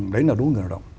đấy là đúng người lao động